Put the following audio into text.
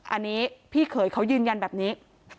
อันนี้พี่เขยเขายืนยันแบบนี้